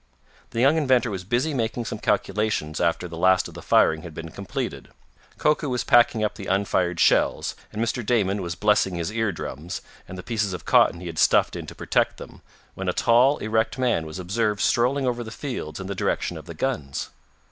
The young inventor was busy making some calculations after the last of the firing had been completed. Koku was packing up the unfired shells, and Mr. Damon was blessing his ear drums, and the pieces of cotton he had stuffed in to protect them, when a tall, erect man was observed strolling over the fields in the direction of the guns.